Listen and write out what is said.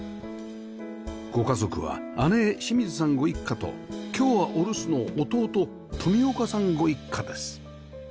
ご家族は姉清水さんご一家と今日はお留守の弟富岡さんご一家です